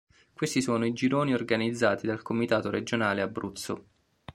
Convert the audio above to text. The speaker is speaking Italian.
Questi sono i gironi organizzati dal Comitato Regionale Abruzzo.